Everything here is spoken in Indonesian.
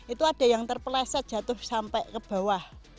itu ada yang terpeleset jatuh sampai ke bawah